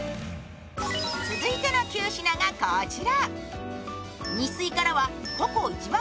続いての９品がこちら。